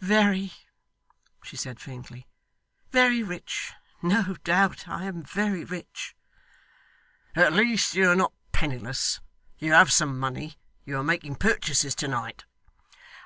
'Very,' she said faintly. 'Very rich. No doubt I am very rich.' 'At least you are not penniless. You have some money. You were making purchases to night.